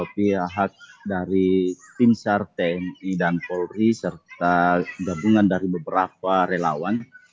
pihak hak dari tim sar tni dan polri serta gabungan dari beberapa relawan